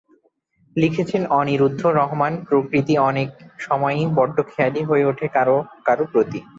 লিখেছেন অনিরুদ্ধ রহমানপ্রকৃতি অনেক সময়ই বড্ড খেয়ালি হয়ে ওঠে কারও কারও প্রতি।